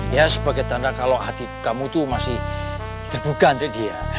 ya sebagai tanda kalau hati kamu itu masih terbuka untuk dia